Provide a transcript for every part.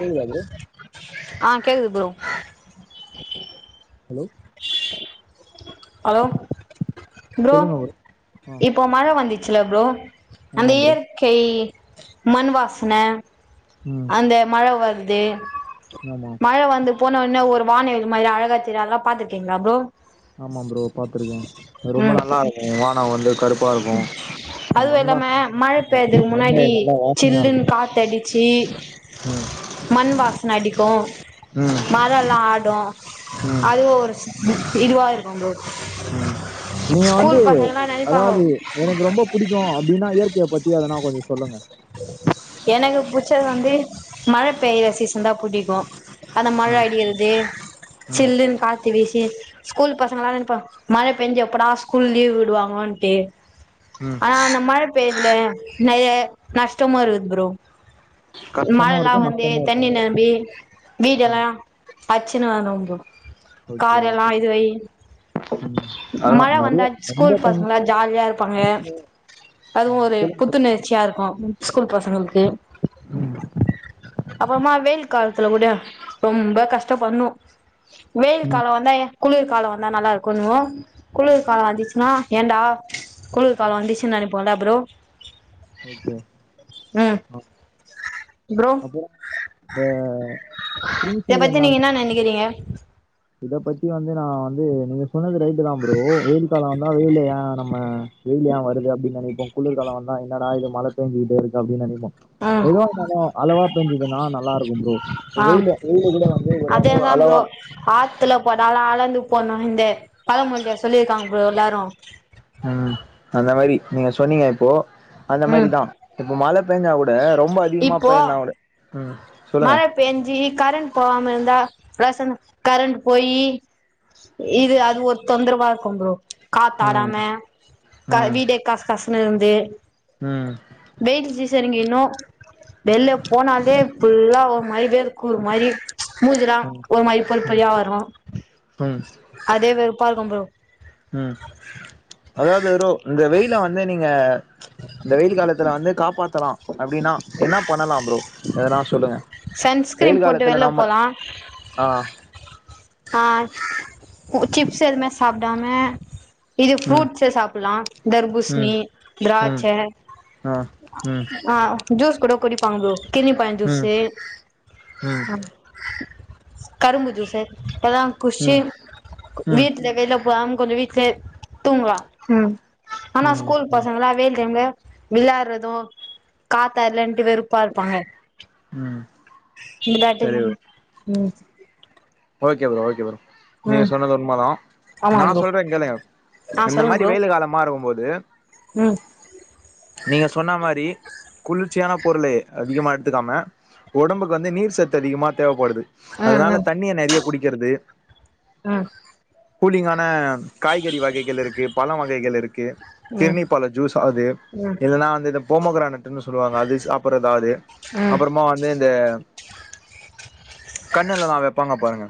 கேக்குதா ப்ரோ ஆ கேக்குது ப்ரோ ஹலோ [inaudible] ஹலோ ப்ரோ ஆ இப்போ மழ வந்துச்சுல ப்ரோ அந்த ஆமா ப்ரோ இயற்கை மண்வாசன ம் அந்த மழ வர்து ஆமா மழ வந்து போனொன்னே ஒரு வானவில் மாரி அழகாத் தெரியு அதல்லா பாத்துருக்கீங்ளா ப்ரோ ஆமா ப்ரோ பாத்துருக்கே ரொம்ப ம் நல்லா இருக்கு வானோ வந்து கருப்பா இருக்கு அதுவு மண் இல்லாம வாசன மழ பெய்யதுக்கு மண்ணே முன்னாடி நல்லா வாசனையா இருக்கு சில்லுன்னு காத்தடிச்சி ம் மண் வாசன அடிக் கு ம் மரோல்லா ஆடு ம் அதுவு ஒரு இதுவா இருக்கு ப்ரோ ம் நீங்க வந்து ஸ்கூல் பசங்கல்லா நெனைப்பாங்கோ அதாவது எனக்கு ரொம்ப புடிக்கு அப்டின்னா இயற்கைய பத்தி எதனா கொஞ்சோ சொல்லுங்க எனக்கு புச்சது வந்து மழப் பெயிற சீசன் தா புடிக்கு அந்த மழ ம் அடிகிறது ம் சில்லுன்னு கா த்து வீசி ஸ்கூல் பசங்கல்லா நெனப்பா மழ பெஞ்சு எப்படா ஸ்கூல் லீவ் விடுவாங்கோன்ட்டு ம் ஆனா அந்த மழ பெய்யதுல நெறைய கஷ்டமோ இருக்குது ப்ரோ கஷ்டமு மழல்லா இருக்கு வந்து நஷ்டமு இருக்கு தண்ணி நெரம்பி ம் வீடெல்லா அச்சின்னு வரு ப்ரோ ஓகே காரல்லா ஓகே இதுவாயி ம் அதா மழ நெறைய வந்தா ரொம்ப ஸ்கூல் தண்ணி பசங்களா ஜாலியா இருப்பாங்க அதாவது அதுவு ம் ஒரு சொல்லுங்க சொல்லுங்க புத்துணர்ச்சியா இருக்கு ஸ்கூல் பசங்களுக்கு அப்புறமா வெயில் காலத்துல கூட ரொம்ப கஷ்ட்டப் பட்ணு வெயில் ம் காலோ வந்தா குளிர் காலோ வந்தா நல்லா இருக்குன்னுவோ ம் குளிர் ம் காலோ வந்துச்சின்னா ஏன்டா குளிர் காலோ வந்துச்சு நெனைப்போல்ல ப்ரோ ஓகே ம் அ ப்ரோ அப்பறோ ஆ ப்ரீ இத பத்தி சீசன்னா நீங்க என்னா நெனைக்கிறீங்க இத பத்தி வந்து நா வந்து நீங்க சொன்னது ரைட்டு தா ப்ரோ வெயில் காலோ வந்தா வெயில அ நம்ம வெயில் ஏ வருது அப்டின் நெனைப்போ குளிர்காலோ வந்தா என்னடா இது மழ பேஞ்சிட்டே இருக்கு அப்டின்னு நெனைப்போ ம் எதுவாந்தாலோ அளவா பேஞ்சிதுன்னா நல்லா இருக்கு ப்ரோ வெயில்லு வெயில்லு கூட வந்து ஒரு அதே அளவு தா ப்ரோ அளவா ஆத்துல போட்டால்லு அளந்து போட்ணு இந்த பழ மொழில சொல்லியிருக்காங்க ப்ரோ எல்லாரு ம் அந்த மாரி நீங்க சொன்னீங்க இப்போ அந்த ம் மாரிதா இப்ப மழ பேஞ்சா கூட ரொம்ப அதிகமா இப்போ பேய்ல்லனா கூட ம் சொல்லுங்க மழ பேஞ்சி கரண்ட் போவாமா இருந்தா [unintelligible] கரண்ட் போயி இது அது ஒரு தொந்தரவா இருக்கு ப்ரோ ம். காத்தாடாம க ம். வீடே கச கசன்னு இருந்து ம் வெயில் சீசன்னுக்கு இன்னு வெல்ல போனாலே ஃபுல்லா ஒரு மாரி வேர்க்குரு மாரி மூஞ்சுல்லா ம். ஒரு மாரி பொறிப் பொறியா வரு ம் அதே வெறுப்பா இருக்கு ப்ரோ ம் அதாவது ரோ இந்த வெயில வந்து நீங்க இந்த வெயில் காலத்துல வந்து காப்பாத்தலா அப்டின்னா என்னா பண்ணலா ப்ரோ எதனா சொல்லுங்க சன்ஸ்கிரீன் வெயில் போட்டு காலத்துல வெல்லப் நம்ம போலா ஆ அ சிப்ஸ் எதுமே சாப்டாம இது ம் ஃப்ரூட்ஸ்ஸு சாப்புல்லா ம் தர்பூஸ்ணி திராட்ச்ச ம் ஆ ம் ஆ ஜூஸ் கூட குடிப்பாங்க ப்ரோ கிர்ணிப் பழோ ம் ம் ஜூஸ்ஸு ம் கரும்பு ஜூஸு எல்லா குட்ச்சி ம் வீட்ல கைல வாங் கொஞ்சோ வீட்லே தூங்லா ம் ஆனா ம் ஸ்கூல் ம் பசங்கள்லா வெயில் டைம்ல விளாட்றதும் காத்தா இல்லன்ட்டு வெறுப்பா இருப்பாங்க ம் இந்த சரி வெளையாட்டுங் ப்ரோ ம் ஓகே ப்ரோ ஓகே ப்ரோ நீங்க ம் சொன்னது உண்மதா ஆமா நா ப்ரோ சொல்றே கேளுங்க ஆ இந்த மாதிரி வெயில் காலமா இருக்கும்போது அ நீங்க சொன்ன மாரி குளிர்ச்சியான பொருளு அதிகமா எடுத்துக்காம உடம்புக்கு வந்து நீர் சத்து அதிகமா தேவப்படுது அ ஹ அதனால தண்ணிய நறையா குடிக்கறது கூலிங்கான காய்கறி வகைகள் இருக்கு பழ வகைகள் இருக்கு கிர்ணி பழ ஜூஸ் ஆவுது ம் ம் இல்லன்னா அந்த போம்மகிரானட்னு சொல்லுவாங்க அத சாப்பட்றதாவது ம் அப்றமா வந்து இந்த கண்ணுல நா வப் வெப்பாங்க பாருங்க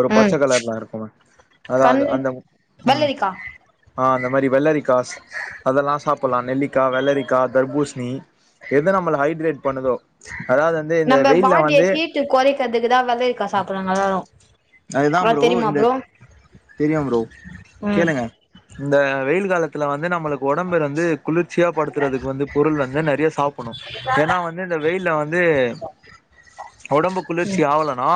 ஒரு ம் பச்ச கலர்ல இருக்கு அது அதாவது கண்ணு அந்த ம் வெள்ளரிக்கா ஆ அந்த மாதிரி வெள்ளரிக்காஸ் அதெல்லா சாப்புல்லா நெல்லிக்கா வெள்ளரிக்கா தர்பூசணி எத நம்மள ஹைட்ரேட் பண்ணுதோ அதாவது வந்து இந்த வெயில்ல வந்து ஹீட் குறைக்கிறதுக்குதா வெள்ளரிக்கா சாப்புட்றாங்க எல்லாரு அதுதா அத் தெரியுமா இந்த ப்ரோ தெரியு ப்ரோ ம் கேளுங்க இந்த வெயில் காலத் துல வந்து நம்மளுக்கு உடம்பு இருந்து குளிர்ச்சியா படுத்துறதுக்கு வந்து பொருள் வந்து நறையோ சாப்புன்னு ஏன்னா வந் வந்து இந்த வெயில்ல வந்து உடம்பு குளிர்ச்சி ம் ஆவலனா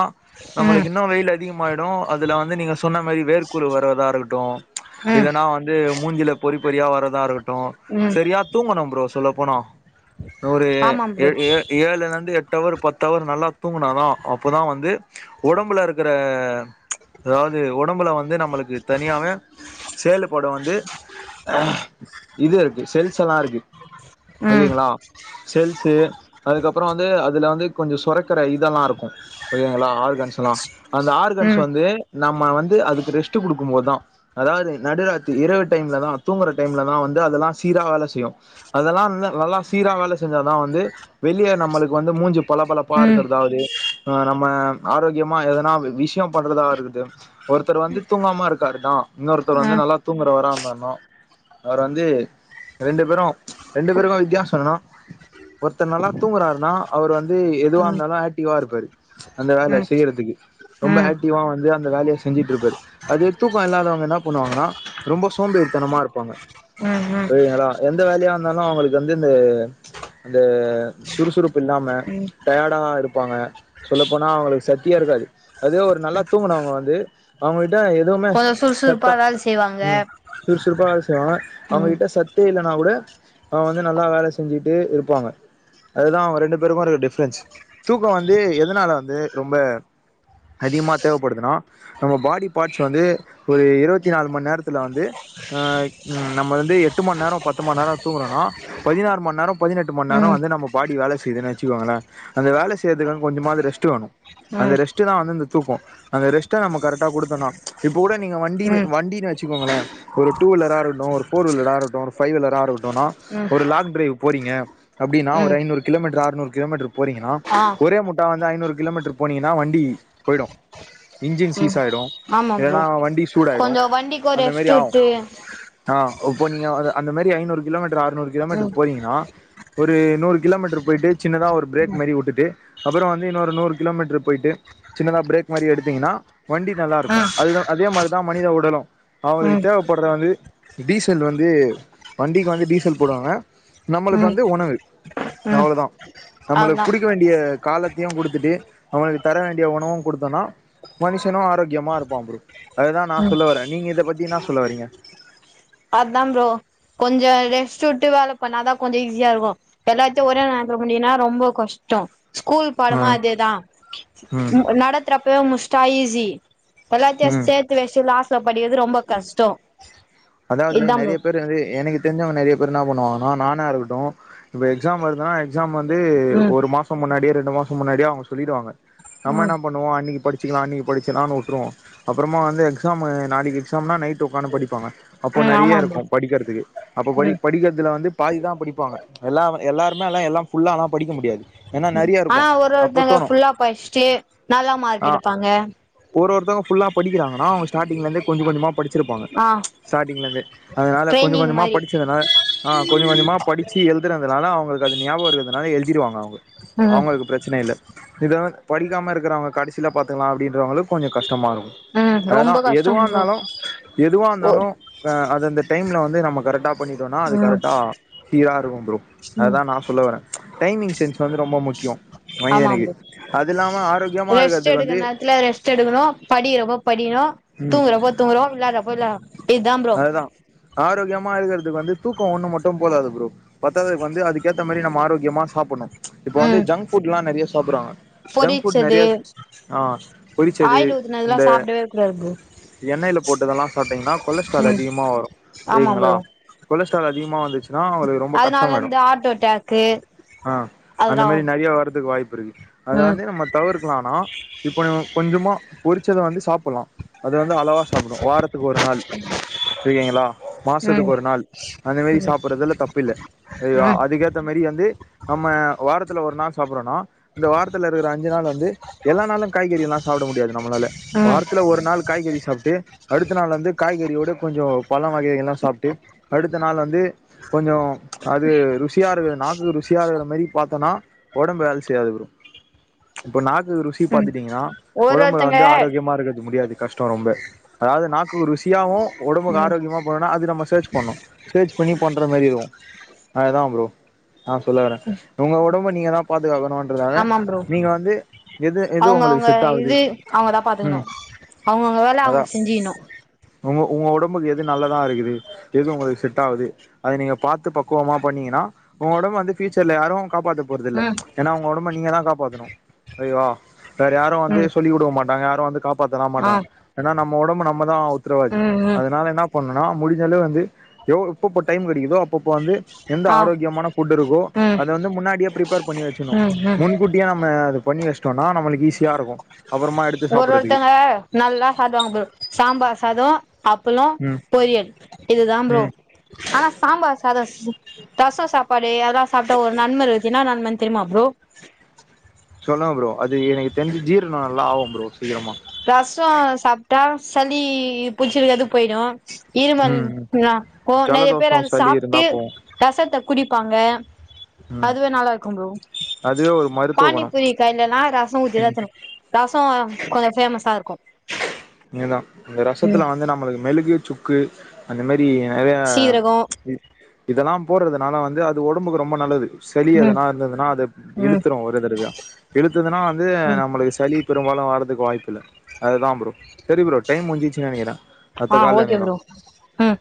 ம் நம்மளுக்கு இன்னு வெயில் அதிகமாயிடு அதுல வந்து நீங்க சொன்ன மேரி வேர்க்குரு வர்ரதா இருக்கட்டு ம் இல்லன்னா வந்து மூஞ்சில பொரி பொரியா வரதா இருக்கட்டு ம் செரியா தூங்கணு ப்ரோ சொல்ல போனா ஒரு ஆமாம் ஏ ப்ரோ ஏழுலர்ந்து எட்டு எட்டவர் பத்தவர் நல்லா தூங்குனாதா அப்போ தா வந்து உடம்புல இருக்குற அதாவது உடம்புல வந்து நம்மளுக்கு தனியாவே செயலுபடு வந்து இது இருக்கு செல்ஸ்லா இருக்கு ம் ஓகேங்களா செல்ஸ்சு அதுக்கப்றோ வந்து அதுல வந்து கொஞ்சோ சொரக்கற இதெல்லா இருக்கு ஓகேங்களா ஆர்கன்ஸ்லா அந்த ஆர்கன்ஸ் ம் வந்து நம்ம வந்து அதுக்கு ரெஸ்ட் குடுக்கு போ தா அதாவது நடுராத்தி இரவு டைம்லதா தூங்குற டைம்லதா வந்து அதெல்லா சீரா வேல செய்யு அதெல்லா வந்து நல்லா சீரா வேல செஞ்சாதா வந்து வெளிய நம்மளுக்கு வந்து மூஞ்சு பள பளப்பா ம் இருக்கிறதாவது ஆ நம்ம ஆரோக்கியமா எதனா விஷ்யோ பண்றதா இருக்குது ஒருத்தர் வந்து தூங்காம இருக்காரு தா இன்னொருத்தர் வந்து ம் நல்லா தூங்குறவரா இருந்தன்னோ அவரு வந்து ரெண்டு பேரு ரெண்டு பேருக்கு வித்தியாசோ என்னன்னா ஒருத்தர் நல்லா தூங்குறாருன்னா அவுரு வந்து எதுவா ம் இருந்தாலு ஆக்டிவா இருப்பாரு அந்த ம் வேல செய்யறதுக்கு ரொம்ப ம் ஆக் டிவா வந்து அந்த வேலய செஞ்சிட்டு இருப்பாரு அதே தூக்க இல்லாதவுங்க என்னா பண்ணுவாங்கன்னா ரொம்போ சோம்பேரித்தனமா இருப்பாங்க ம் ம் செரிங்களா எந்த வேலயா இருந்தாலு அவுங்களுக்கு வந்து இந்த இது சுறுசுறுப்பு இல்லாம ம் டயர்டா தா இருப்பாங்க அப்போனா அவுங்களுக்கு சக்தியே இருக்காது அதே ஒரு நல்லா தூங்கனவுங்க வந்து அவுங்ககிட்ட எதுவுமே கொஞ்சோ சுறுசுறுப்பா சத்தா வேல செய்வாங்க ம் சுறுசுறுப்பா வேல செய்வாங்க ம் அவுங்ககிட்ட சத் தூ இல்லன்னா கூட அவ வந்து நல்லா வேல செஞ்சிட்டு இருப்பாங்க அதுதா ரெண்டு பேருக்கு இருக்கிற டிஃப்ரென்ஸ் தூக்கோ வந்து எதனால வந்து ரொம்ப அதிகமா தேவப்படுதுனா நம்ம பாடி பார்ட்ஸ் வந்து ஒரு இருவத்தி நாலு மணி நேரத்துல வந்து ஆ ம் நம்ம வந்து எட்டு மண் நேரோ பத்து மண் நேரோ தூங்குறோன்னா பதினாறு மண் நேரோ பதினெட்டு மண் நேரோ ம் வந்து நம்ம பாடி வேல செய்துனு வெச்சுக்கோங்களே அந்த வேல செய்யறதுக்காக கொஞ்சமாவது ரெஸ்ட்டு வேணு அந்த ம் ரெஸ்ட்டுதா வந்து இந்த தூக்கோ அத ரெஸ்ட்ட நம்ம கரெக்டா குடுத்தோன்னா இப்ப கூட நீங்க வண்டின் ம் வண்டின்னு வெச்சுக்கோங்களே ஒரு டூ வீலரா இருக்கட்டு ஒரு போர் வீலரா இருக்கட்டு ஒரு ஃபைவ் வீலரா இருக்கட்டுனா ம் ஒரு லாங் டிரைவ் போறீங்க அப்டின்னா ஒரு ம் ஐநூறு கிலோமீட்டர் அறுநூறு கிலோமீட்டர் போறீங்கன்னா ஆ ஒரே முட்டா வந்து ஐநூறு கிலோமீட்டர் போனீங்கன்னா வண்டி போய்டு இன்ஜின் ம் சீஸ் ஆயிடு ஆமா ப்ரோ இல்லன்னா வண்டி சூடாயிடு கொஞ்சோ வண்டிக்கு ஒரு அந்த மாரி ரெஸ்ட் ஆவு விட்டு ஆ இப்போ நீங்க அந்த மாரி ஐநூறு கிலோமீட்டர் ஆற்நூறு கிலோமீட்டரு ம் போறீங்கன்னா ஒரு நூறு கிலோமீட்டர் போய்ட்டு சின்னதா ஒரு பிரேக் மாரி விட்டுட்டு அப்றோ வந்து இன்னொரு நூறு கிலோமீட்டர் போய்ட்டு சின்னதா பிரேக் மாரி எடுத்தீங்கன்னா வண்டி நல்லா ஆ இருக்கு அதுதா அதே மாரி தா மனித உடலு அவங்களுக்கு ம் தேவப்பட்ற வந்து டீசல் வந்து வண்டிக்கு வந்து டீசல் போடுவாங்க நம்மளுக்கு ம் வந்து உணவு ம் அவ்ளோ தா நம்மளுக்கு அவ்ளதா குடுக்க வேண்டிய காலத்தையு குடுத்துட்டு அவுங்களுக்கு தர வேண்டிய உணவு குடுத்தன்னா மனுஷனு ஆரோக்கியமா இருப்பா ப்ரோ அததா நா ம் சொல்ல வரே நீங்க இத பத்தி என்னா சொல்ல வரீங்க அத்தா ப்ரோ கொஞ்சோ ரெஸ்ட்டு விட்டு வேல பண்ணாதா கொஞ்சோ ஈஸியா இருக்கு எல்லாத்தையு ஒரே நேரத்தில பண்ணிங்கன்னா ரொம்ப கஷ்டோ ஸ்கூல் பாடமு ம் அதேதா ம் நடத்துறப்பவே முச்சுடா ஈசி எல்லாத்தையு சேத் ம் சேத்து வெச்சிட்டு லாஸ்ல படிகிறது ரொம்ப கஷ்டோ அதாவது இதா ப்ரோ நெறைய பேர் வந்து எனக்கு தெரிஞ்சவுங்க நெறைய பேர் என்ன பண்ணுவாங்கானா நானா இருக்கட்டு இப்ப எக்ஸாம் வருதுன்னா எக்ஸாம் வந்து ம் ஒரு மாச முன்னாடியே ரெண்டு மாச முன்னாடியே அவுங்க சொல்லிடுவாங்க ம் நம்ம ம் என்ன பண்ணுவோ அன்னிக்கி படிச்சுகலா அன்னிக்கி படிச்சுகலா உட்டுருவோ அப்புறமா வந்து எக்ஸாம் நாளிக்கி எக்ஸாம்னா நைட் உக்காந்து படிப்பாங்க அப்போ ஆமா நெறைய இருக்கு ப்ரோ படிக்கிறதுக்கு அப்போ படி ம் படிக்கிறதுல வந்து பாதி தா படிப்பாங்க எல்லா எல்லாருமே எல்லா எல்லா ஃபுல்லால்லா படிக்க முடியாது ஏன்னா நெறையா இருக்கு ஆனா ஒரு அப்ப ஒருத்தங்க தோணு ஃபுல்லா படிச்சுட்டு நல்லா மார்க் ஆ எடுப்பாங்க ஒரு ஒருத்தங்க ஃபுல்லா படிக்கிறாங்கன்னா அவுங்க ஸ்டார்டிங்ல இருந்து கொஞ்ச கொஞ்சமா படிச்சிருப்பாங்க ஆ ஸ்டார்டிங்ல இருந்து அதனால கொஞ்ச ட்ரைனிங் கொஞ்சமா மாரி படிச்சதுனால ஆ கொஞ்ச கொஞ்சமா படி ச்சி எழுதுறதுனால அவுங்களுக்கு அது ஞாபக இருக்கறதுனால எழுதிடுவாங்க அவுங்க ம் அவுங்களுக்கு பிரச்சன இல்ல இது படிக்காம இருக்குறவுங்க கடைசில பாத்துக்கலா அப்டின்றவங்களுக்கு கொஞ்சோ கஷ் டமா இருக்கு ம் அதுதா ரொம்ப கஷ்டோ எதுவா ப்ரோ இருந்தாலு எதுவா ஓ இருந்தாலு இப்ப அது அந்த டைம்ல வந்து நம்ம கரெக்டா பண்ணிடோன்னா அது ம் கரெக்டா சீரா இருக்கு ப்ரோ ம் அதுதா நா சொல்ல வரே டைமிங் சென்ஸ் வந்து ரொம்ப முக்கியோ ஆமா மனிதனுக்கு ப்ரோ அது இல்லாம ஆரோக்கியமா ரெஸ்ட் இருக்கிறதுக்கு எடுக்கற வந்து நேரத்துல ரெஸ்ட் ம் தூங்கறப்போ தூங்குறோ விளாட்றப்போ விளாட்றோ இதா ப்ரோ தா ஆரோக்கியமா இருக்கிறதுக்கு வந்து தூக்கோ ஒண்ணு மட்டு போதாது ப்ரோ பத்தாததுக்கு வந்து அதுக்கு ஏத்த மாரி நம்ம ஆரோக்கியமா சாப்பிட்ணு இப்ப வந்து ம் ஜங்க் ஃபுட் எல்லா நெறையா சாப்பிட்றாங்க ஜங்க் ஃபுட் பொரிச்சது நெறையா ஆ பொறிச்சது ஆயில் ஊத்துனதுல்லா இந்த சாப்டவே கூடாது ப்ரோ எண்ணெயில போட்டதெல்லா சாப்ட்டீங்கன்னா கொலஸ்ட்ரால் ம் அதிகமா வரு ஆமா சேரிங்களா ப்ரோ கொலஸ்ட்ரால் அதிகமா வந்துச்சு அவளுக்கு ரொம்ப அதனால கஷ்டமாய்டு இந்த ஹார்ட் அட்டாக்கு ஆ அந்த அதெல்லா மேரி வரு நெறையா வரதுக்கு வாய்ப்புருக்கு அத ம் வந்து நம்ம தவிர் க்லானா இப்ப கொஞ்சமா பொறிச்சத வந்து சாப்புட்லா அது வந்து அளவா சாப்பட்னு வாரத்துக்கு ஒரு நாள் ஓகேங்ளா ம் மாசத்துக்கு ஒரு நாள் அந்த மேரி ம் சாப்புட்றதுல தப்பில்ல அது ம் அதுக்கேத்த மேரி வந்து நம்ம வாரத்துல ஒரு நாள் சாப்புட்றோனா இந்த வாரத்துல இருக்கிற அஞ்சு நாள் வந்து எல்லா நாளு காய்கறி எல்லா சாப்புட முடியாது நம்மளால ம் வாரத்துல ஒரு நாள் காய்கறி சாப்ட்டு அடுத்த நாள் வந்து காய்கறியோடு கொஞ்ச பழ வகைகள்லா சாப்ட்டு அடுத்த நாள் வந்து கொஞ்ச அது ருசியா இருக்கு நாக்குக்கு ருசியா இருக்கிற மாரி பாத்தனா ஒடம்பு வேல செய்யாது ப்ரோ இப்ப நாக்குக்கு ருசி ம் பாத்துட்டீங்கன்னா ஒரு ஒடம்புல ஒருத்தங்க வந்து ஆரோக்கியமா இருக்கற்து முடியாது கஷ்ட ரொம்ப அதாது நாக்குக்கு ருசி ல்த்தியாவு ஒடம்புக்கு ம் ஆரோக்கியமா போனனா அது நம்ம சர்ச் பண்ணு சர்ச் பண்ணி பண்ற மாறி இருக்கு அதுதா ப்ரோ ஆ சொல்ல வரேன் ஒங்க ஒடம்ப நீங்கதா பாதுகாக்கணு றாங்க ஆமா ப்ரோ நீங்க வந்து எது எது அவுங்க ஒங்களுக்கு அவுங்க செட் ஆவுது ம் அவங்கவுங்க வேல அதா அவங்க செஞ்சிக்ணு உங்க உங்க ஒடம்புக்கு எது நல்லதா இருக்குது எது உங்களுக்கு செட் ஆவுது அது நீங்க பாத்து பக்குவமா பண்ணீங்கன்னா ஒங்க ஒடம்ப வந்து ஃபியூச்சர்ல யாரு காப்பாத்த போறதில்ல ம் ஏன்னா ஒங்க ஒடம்ப நீங்கதா காப்பாத்தணு ஐயோ வேற யாரு வந்து ம் சொல்லி குடுக்க மாட் டாங்க யாரு வந்து காப்பாத்தலா ஆ மாட்டாங்க ஏன்னா நம்ம ஒடம்பு நம்மதா உத்ரவாதி ம் அத ம் அதனால என்ன பண்ணுன்னா முடிஞ்ச அளவு வந்து எப்பப்ப டைம் கெடைக்குதோ அப்பப்போ வந்து எந்த ஆ ஆரோக்கியமான ஃபுட் இருக்கோ ம் அத வந்து முன்னாடியே பிரிப்பேர் பண்ணி வச்சணு ம் ம் முன்கூட் டியே நம்ம அது பண்ணி வச்டோனா நம்மளுக்கு ஈஸியா இருக்கு அப்புறமா எடுத்து ஒரு சாப்றதுக்கு ஒருத்தங்க நல்லா சாப்டுவாங்க ப்ரோ சாம்பார் சாதோ அப்புளோ ம் பொரியல் இதுதா ப்ரோ ம் ஆனா சாம்பார் சாதோ ரச சாப்பாடு அதுலா சாப்டா ஒரு நன்ம இருக்து என்னா நன்மனு தெரியுமா ப்ரோ சொல்லுங்க ப்ரோ அது எனக்கு தெரிஞ்சு ஜீரண நல்லா ஆவு ப்ரோ சீக்ரமா ரச சாப்டா சளி புடிச்சிருக்கது போயிடு இருமல் இருக்கும்லா ஓ நெறய பேர் ஜலதோஷம் அது சளி இருந்தா சாப்ட்டு ரசத்த குடிப்பாங்க போவும் அதுவே நல்லா இருக்கு ப்ரோ அதுவே ஒரு மருத்துவ குணம் பானிபூரி கடைலல்லா ரச ஊத்திதா தணு ரச கொஞ்சோ ஃபேமஸா இருக்கு இதுதா இந்த ம் ரசத்துல வந்து நம்மளுக்கு மெளுகு சுக்கு அந்த மாரி நெறைய சீரகோ இதெல்லா போடுறதுனால வந்து அது ஒடம்புக்கு ரொம்ப நல்லது சளி ம் அதனா இருந்ததுன்னா அத ம் இழுத்துரு ஒரே தடவயா இழுத்துதுனா வந்து ம் நம்மளுக்கு சளி பெரும்பாலு வரதுக்கு வாய்ப்பு இல்ல அதுதா ப்ரோ சரி ப்ரோ டைம் முஞ்சுச்சு நெனைக்கிறே அத்த ஆ கால்ல ஓகே எணைலா ப்ரோ ம்